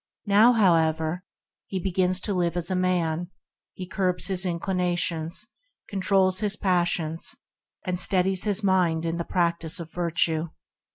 Now, however, he begins to live as a man; he curbs his inclinations, controls his passions, and steadies his mind in the practice of virtue.